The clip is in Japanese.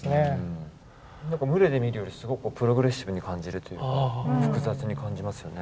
何か牟礼で見るよりすごくプログレッシブに感じるというか複雑に感じますよね。